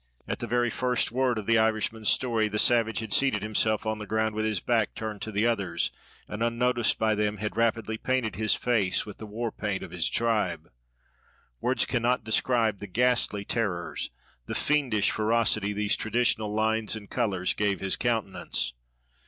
At the very first word of the Irishwoman's story, the savage had seated himself on the ground with his back turned to the others, and, unnoticed by them, had rapidly painted his face with the war paint of his tribe. Words cannot describe the ghastly terrors, the fiendish ferocity these traditional lines and colors gave his countenance.